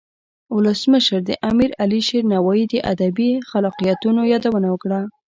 ولسمشر د امیر علي شیر نوایی د ادبی خلاقیتونو یادونه وکړه.